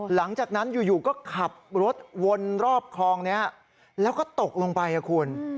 หลังจากนั้นอยู่ก็ขับรถวนรอบคลองนี้แล้วก็ตกลงไปคุณ